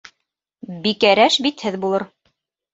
Бикәрэш битһеҙ булыр.